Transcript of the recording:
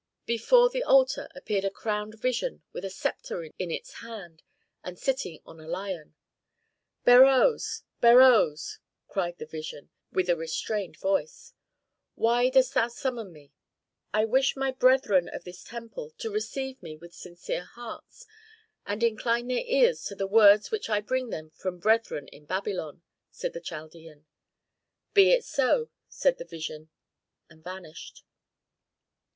Before the altar appeared a crowned vision with a sceptre in its hand, and sitting on a lion. "Beroes! Beroes!" cried the vision, with a restrained voice. "Why dost thou summon me?" "I wish my brethren of this temple to receive me with sincere hearts, and incline their ears to the words which I bring them from brethren in Babylon," said the Chaldean. "Be it so," said the vision, and vanished.